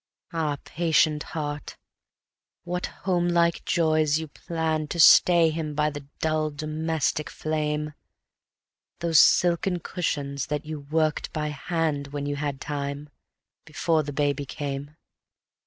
Ah, patient heart, what homelike joys you planned To stay him by the dull domestic flame! Those silken cushions that you worked by hand When you had time, before the baby came.